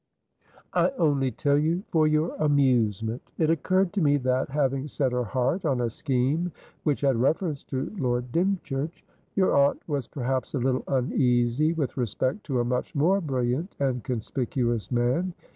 "I only tell you for your amusement. It occurred to me that, having set her heart on a scheme which had reference to Lord Dymchurch, your aunt was perhaps a little uneasy with respect to a much more brilliant and conspicuous man.